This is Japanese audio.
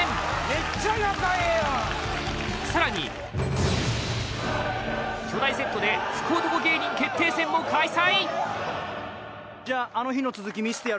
めっちゃ仲ええやんさらに巨大セットで福男芸人決定戦も開催！